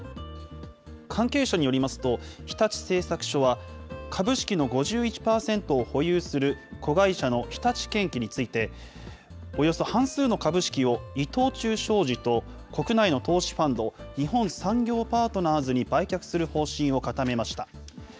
関係者によりますと、日立製作所は、株式の５１％を保有する子会社の日立建機について、およそ半数の株式を伊藤忠商事と国内の投資ファンド、日本産業パートナーズに売却する方針を固めました。